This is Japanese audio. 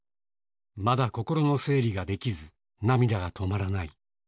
まだ心の整理ができず、涙が止まらない。